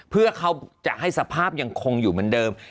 เพื่อเขาจะให้สภาพยังคงอยู่เหมือนเดิม